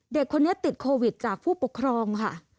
เด็กคนนี้ติดโควิดจากผู้ปกครองค่ะ